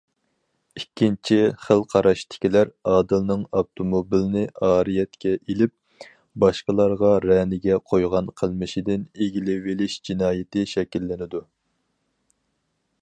ئىككىنچى خىل قاراشتىكىلەر: ئادىلنىڭ ئاپتوموبىلنى ئارىيەتكە ئېلىپ، باشقىلارغا رەنىگە قويغان قىلمىشىدىن ئىگىلىۋېلىش جىنايىتى شەكىللىنىدۇ.